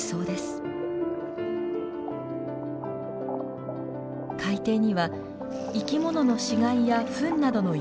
海底には生きものの死骸やフンなどの有機物が降り積もります。